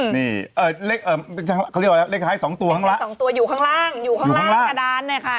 นี่เลขท้าย๒ตัวอยู่ข้างล่างอยู่ข้างล่างกระดานเนี่ยค่ะ